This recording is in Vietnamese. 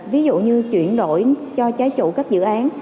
ví dụ như chuyển đổi cho trái chủ các dự án